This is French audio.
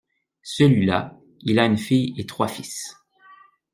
Celui-là il a une fille et trois fils.